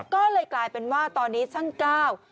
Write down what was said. ก็เลยกลายเป็นว่าตอนนี้ช่างกล้าว